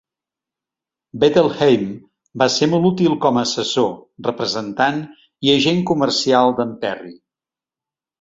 Bettelheim va ser molt útil com assessor, representant i agent comercial de"n Perry.